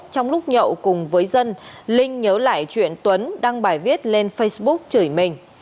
trong lúc nhậu cùng với dân linh nhớ lại chuyện tuấn đăng bài viết lên facebook chửi mình